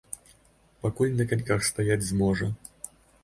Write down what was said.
Пакуль на каньках стаяць зможа.